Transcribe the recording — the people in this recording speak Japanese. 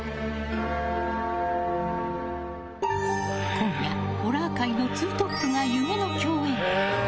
今夜、ホラー界のツートップが夢の共演。